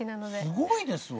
すごいですわ。